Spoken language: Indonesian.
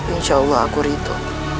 insya allah aku ritu